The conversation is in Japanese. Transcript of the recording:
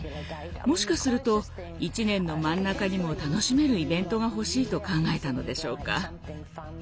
もしかすると１年の真ん中にも楽しめるイベントが欲しいと考えたのでしょうか。